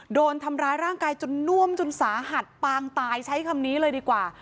โดนทำร้ายร่างกายจนน่วมจนสาหัสปางตายใช้คำนี้เลยดีกว่า